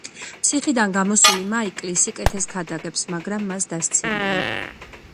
ციხიდან გამოსული მაიკლი სიკეთეს ქადაგებს, მაგრამ მას დასცინიან.